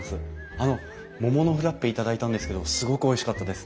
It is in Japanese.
あの桃のフラッペ頂いたんですけどすごくおいしかったです。